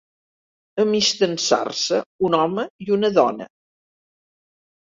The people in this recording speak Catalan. Amistançar-se un home i una dona.